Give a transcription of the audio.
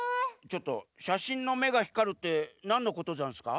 ちょっとしゃしんのめがひかるってなんのことざんすか？